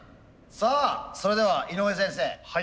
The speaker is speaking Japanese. さあそれでは井上先生。